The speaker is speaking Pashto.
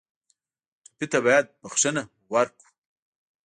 ټپي ته باید بښنه ورکړو.